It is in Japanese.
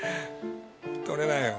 取れないよ。